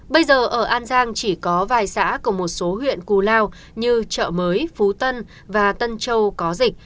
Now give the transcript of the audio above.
bây giờ ở an giang chỉ có vài xã của một số huyện cù lao như chợ mới phú tân và tân châu có dịch